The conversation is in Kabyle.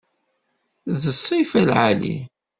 D ssifa lɛali.